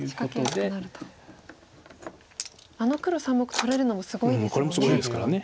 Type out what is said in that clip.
あの黒３目取れるのもすごいですよね。